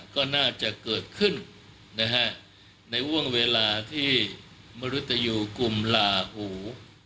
ก็น่าจะเกิดขึ้นนะฮะในห่วงเวลาที่มนุษยูกลุ่มลาหู